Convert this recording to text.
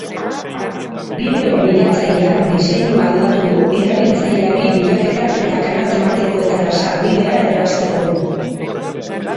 Bideo bilatzaileak diseinua aldatu du erabiltzaileari bilaketak eta kanal tematikoetara sarbidea errazteko.